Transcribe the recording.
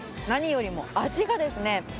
何よりも味がですね